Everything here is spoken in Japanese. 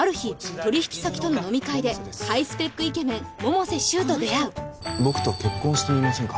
取引先との飲み会でハイスペックイケメン百瀬柊と出会う僕と結婚してみませんか？